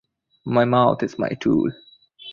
My mouth is my tool.